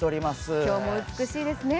今日も美しいですね。